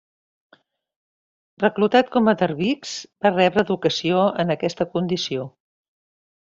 Reclutat com a dervix va rebre educació en aquesta condició.